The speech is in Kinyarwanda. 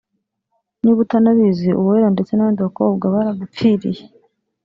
Niba utanabizi Uwera ndetse n’abandi bakobwa baragupfiriye “